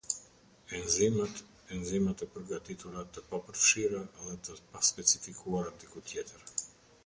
Enzimat, enzimat e përgatitura të papërfshira dhe të paspecifikuara diku tjetër.